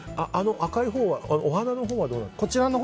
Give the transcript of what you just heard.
赤いほうは、お花のほうはどうなっていますか？